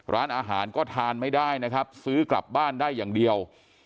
ร้านอาหารก็ทานไม่ได้นะครับซื้อกลับบ้านได้อย่างเดียว